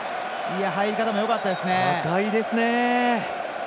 入り方もよかったですね。